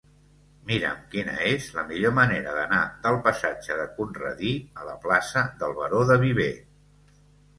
Mira'm quina és la millor manera d'anar del passatge de Conradí a la plaça del Baró de Viver.